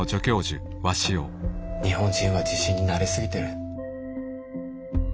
日本人は地震に慣れ過ぎてる。